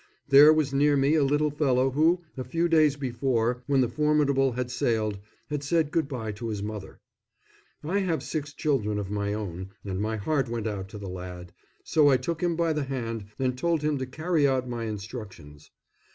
There was near me a little fellow who, a few days before, when the Formidable had sailed, had said good bye to his mother. I have six children of my own, and my heart went out to the lad, so I took him by the hand and told him to carry out my instructions.